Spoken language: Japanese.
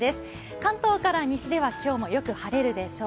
関東から西では今日もよく晴れるでしょう。